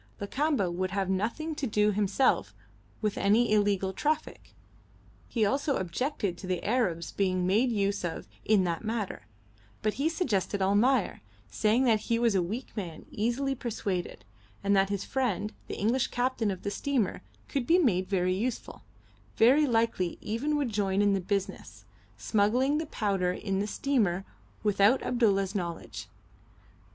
Lakamba would have nothing to do himself with any illegal traffic. He also objected to the Arabs being made use of in that matter; but he suggested Almayer, saying that he was a weak man easily persuaded, and that his friend, the English captain of the steamer, could be made very useful very likely even would join in the business, smuggling the powder in the steamer without Abdulla's knowledge.